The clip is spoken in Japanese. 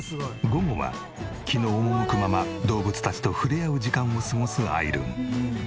午後は気の赴くまま動物たちと触れ合う時間を過ごすあいるん。